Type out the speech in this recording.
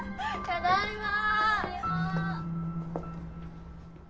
ただいま。